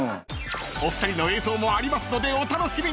［お二人の映像もありますのでお楽しみに！］